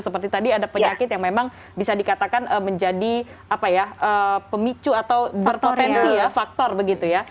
seperti tadi ada penyakit yang memang bisa dikatakan menjadi pemicu atau berpotensi ya faktor begitu ya